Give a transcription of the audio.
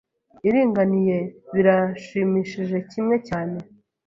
iringaniye birashimishije kimwe cyane